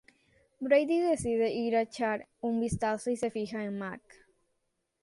Brady decide ir a echar un vistazo y se fija en Mack.